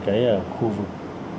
cái khu vực